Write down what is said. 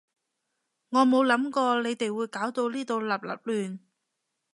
我冇諗過你哋會搞到呢度笠笠亂